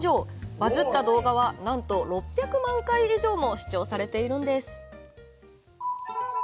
バズった動画は、なんと６００万回以上も視聴されているんです。